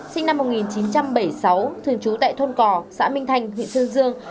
sinh năm một nghìn chín trăm bảy mươi sáu thường trú tại thôn cò xã minh thanh huyện sơn dương